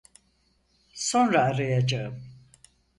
Sonra arayacağım.